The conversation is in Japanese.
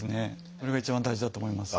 それが一番大事だと思います。